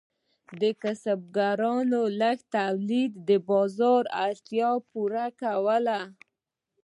د کسبګرانو لږ تولید د بازار اړتیا نه پوره کوله.